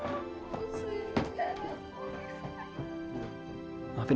kakak nggak bisa bawa kamu ke rumah sakit